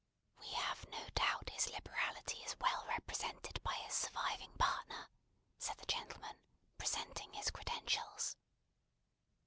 "We have no doubt his liberality is well represented by his surviving partner," said the gentleman, presenting his credentials.